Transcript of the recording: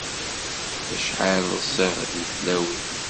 Acḥal ẓẓiɣ di tlawin.